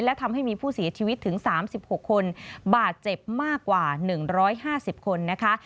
และทำให้มีผู้เสียชีวิตถึง๓๖คนบาดเจ็บมากกว่า๑๕๐คนนะคะ